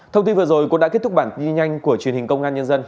thông tin vừa rồi cũng đã kết thúc bản tin nhanh của truyền hình công an nhân dân